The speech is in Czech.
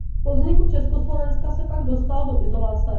Po vzniku Československa se pak dostal do izolace.